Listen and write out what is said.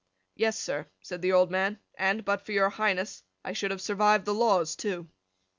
"Yes, sir," said the old man, "and, but for your Highness, I should have survived the laws too."